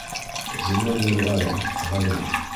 Зиннур Нурғәлин, ғалим: